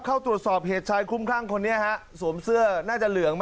เข้าตรวจสอบเหตุชายคุ้มคลั่งคนนี้ฮะสวมเสื้อน่าจะเหลืองไหม